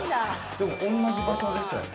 でも、同じ場所でしたよね。